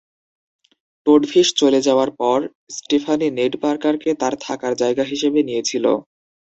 Toadfish চলে যাওয়ার পর, স্টেফানি নেড পার্কারকে তার থাকার জায়গা হিসেবে নিয়েছিল।